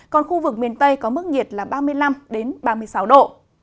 còn khu vực miền tây có mức nhiệt là ba mươi năm ba mươi sáu độ